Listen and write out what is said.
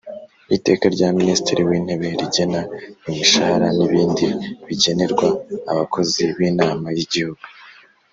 Iteka rya Minisitiri wintebe rigena imishahara nibindi bigenerwa abakozi binama yigihugu